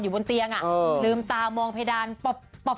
อยู่บนเตียงอ่ะเออลืมตามองเพดานปบปปบ